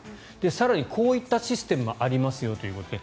更にこういったシステムもありますよということで